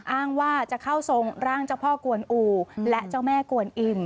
อ้างว่าจะเข้าทรงร่างเจ้าพ่อกวนอู่และเจ้าแม่กวนอิ่ม